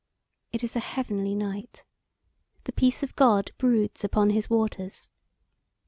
It is a heavenly night. The peace of God broods upon His waters.